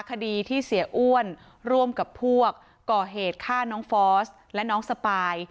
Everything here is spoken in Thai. คดีที่เสียอ้วนร่วมกับพวกก่อเหตุฆ่าน้องฟอสและน้องสปาย